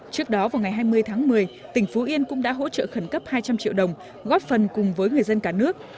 trước đó vào ngày hai mươi tháng một mươi tỉnh phú yên cũng đã hỗ trợ khẩn cấp hai trăm linh triệu đồng góp phần cùng với người dân cả nước